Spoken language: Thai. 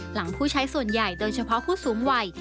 ผู้ใช้ส่วนใหญ่โดยเฉพาะผู้สูงวัย